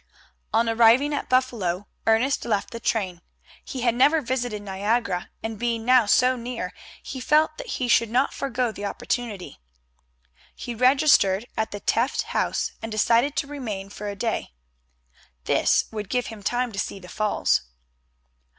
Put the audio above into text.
On arriving at Buffalo Ernest left the train. He had never visited Niagara, and being now so near he felt that he could not forego the opportunity. He registered at the Tefft House, and decided to remain for a day. This would give him time to see the Falls.